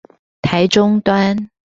台中端